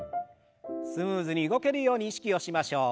スムーズに動けるように意識をしましょう。